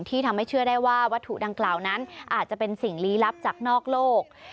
ที่ทำให้เชื่อได้ว่าวัตถุดังกล่าวนั้นอาจจะเป็นสิ่งลี้ลับจากนอกโลก